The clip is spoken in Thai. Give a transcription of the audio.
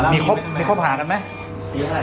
มีครบหาได้ไหม